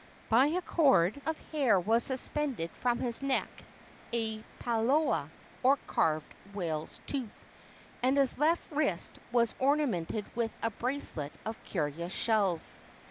By a cord of hair was suspended from his neck a palaoa, or carved whale's tooth, and his left wrist was ornamented with a bracelet of curious shells.